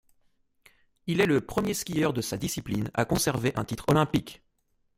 Il est le premier skieur de sa discipline à conserver un titre olympique.